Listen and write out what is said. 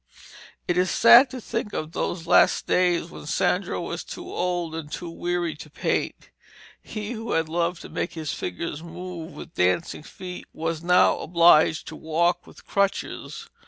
It is sad to think of those last days when Sandro was too old and too weary to paint. He who had loved to make his figures move with dancing feet, was now obliged to walk with crutches.